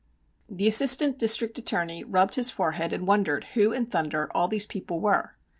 The Assistant District Attorney rubbed his forehead and wondered who in thunder all these people were.